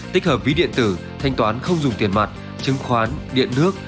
tích hợp ví điện tử thanh toán không dùng tiền mặt chứng khoán điện nước